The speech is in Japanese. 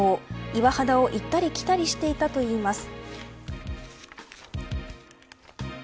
岩肌を行ったり来たりしていたといいます。